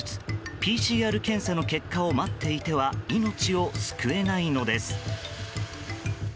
ＰＣＲ検査の結果を待っていては命を救えないのです。